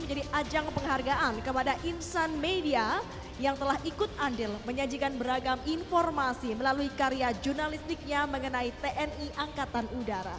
dan juga ajang penghargaan kepada insan media yang telah ikut andil menyajikan beragam informasi melalui karya jurnalistiknya mengenai tni angkatan udara